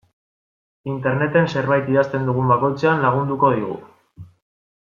Interneten zerbait idazten dugun bakoitzean lagunduko digu.